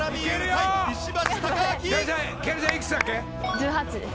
１８です。